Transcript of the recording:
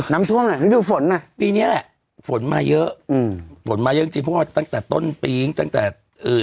น้ำท่วมอ่ะฤดูฝนอ่ะปีเนี้ยแหละฝนมาเยอะอืมฝนมาเยอะจริงเพราะว่าตั้งแต่ต้นปีตั้งแต่เอ่อ